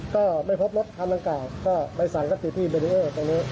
ก็ไม่พบรถทางล่างกากก็ใบสั่งก็ติดที่เบดีเอ้ยตรงนี้